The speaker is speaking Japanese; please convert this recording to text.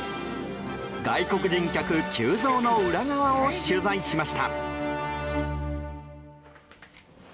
外国人客急増の裏側を取材しました。